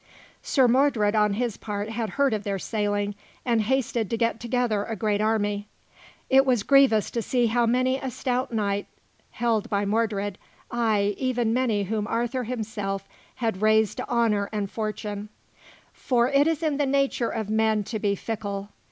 Sir Mordred, on his part, had heard of their sailing, and hasted to get together a great army. It was grievous to see how many a stout knight held by Mordred, ay, even many whom Arthur himself had raised to honour and fortune; for it is the nature of men to be fickle.